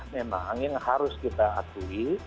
memang yang harus kita akui